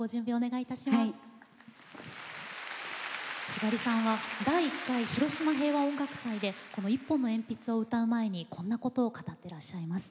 ひばりさんは第１回広島平和音楽祭で「一本の鉛筆」をお歌いになる前に、こんなことを語ってらっしゃいます。